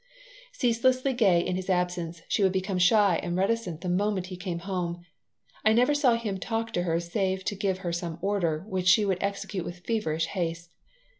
Ceaselessly gay in his absence, she would become shy and reticent the moment he came home. I never saw him talk to her save to give her some order, which she would execute with feverish haste.